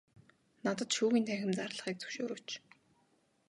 Надад шүүхийн танхим зарлахыг зөвшөөрөөч.